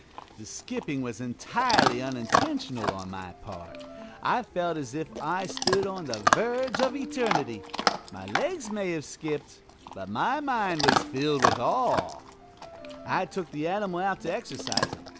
The skipping was entirely unintentional on my part. I felt as if I stood on the verge of eternity. My legs may have skipped, but my mind was filled with awe. I took the animal out to exercise him.